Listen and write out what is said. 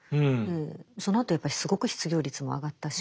そのあとやっぱりすごく失業率も上がったし。